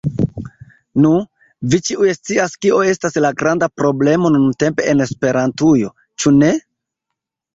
Nu, vi ĉiuj scias kio estas la granda problemo nuntempe en Esperantujo, ĉu ne?